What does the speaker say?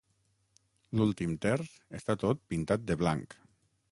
L'últim terç està tot pintat de blanc.